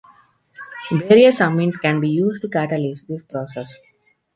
Various amines can be used to catalyse this process.